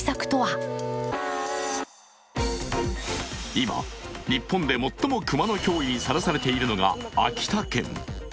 今、日本で最も熊の脅威にさらされているのが秋田県。